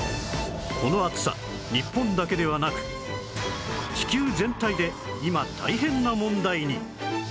この暑さ日本だけではなく地球全体で今大変な問題に